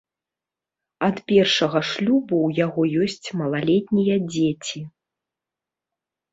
Ад першага шлюбу ў яго ёсць малалетнія дзеці.